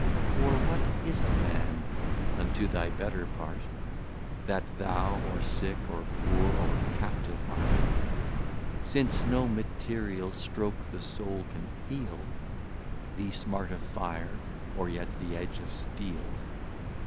For what is't, Man, unto thy Better Part, That thou or Sick, or Poor, or Captive art? Since no Material Stroke the Soul can feel, The smart of Fire, or yet the Edge of Steel.